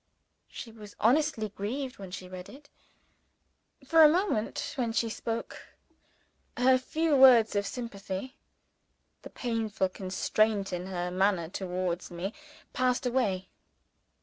She was honestly grieved when she read it. For a moment when she spoke her few words of sympathy the painful constraint in her manner towards me passed away.